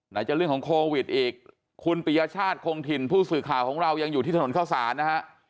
จะเรื่องของโควิดอีกคุณปียชาติคงถิ่นผู้สื่อข่าวของเรายังอยู่ที่ถนนเข้าศาลนะฮะ